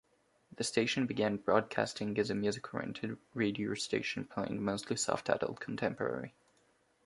The station began broadcasting as a music-oriented radio station playing mostly soft adult contemporary.